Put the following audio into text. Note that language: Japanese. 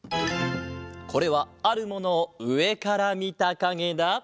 これはあるものをうえからみたかげだ。